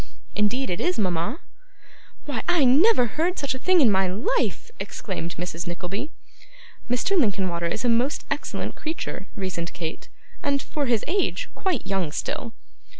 'Indeed it is, mama.' 'Why, I never heard such a thing in my life!' exclaimed Mrs. Nickleby. 'Mr. Linkinwater is a most excellent creature,' reasoned Kate, 'and, for his age, quite young still.